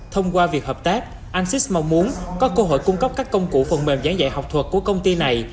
thông qua việc hợp tác ansys mong muốn có cơ hội cung cấp các công cụ phần mềm giảng dạy học thuật của công ty này